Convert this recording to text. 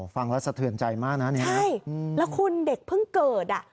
ฟังแล้วสะเทือนใจมากนะเนี่ยใช่แล้วคุณเด็กเพิ่งเกิดอ่ะ